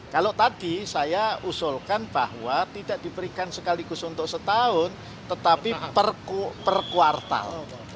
kalau tadi saya usulkan bahwa tidak diberikan sekaligus untuk setahun tetapi per kuartal